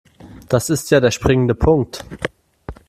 Das ist ja der springende Punkt.